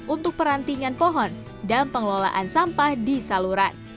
untuk perantingan pohon dan pengelolaan sampah di saluran